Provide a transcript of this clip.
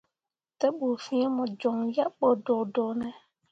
Te ɓu fiŋ mo coŋ yebɓo doodoone ?